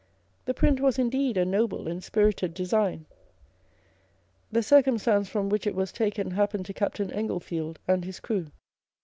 The print was indeed a noble and spirited design. The circumstance from which it was taken happened to Captain Englefield and his crew.